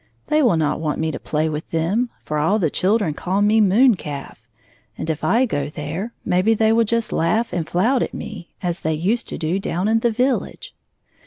They will not want me to play with them, for all the children call me moon calf, and if I go there, maybe they will just laugh and flout at me, as they used to do down in the village."